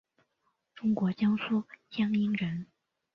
中国江苏江阴人。